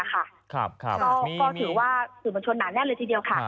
ก็ถือว่าสื่อมวลชนหนาแน่นเลยทีเดียวค่ะ